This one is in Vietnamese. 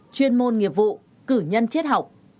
chuyên môn nghiệp vụ cử nhân triết học